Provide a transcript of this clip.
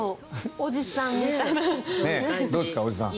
おじさん。